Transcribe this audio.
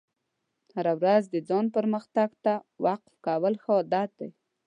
هره ورځ د ځان پرمختګ ته وقف کول ښه عادت دی.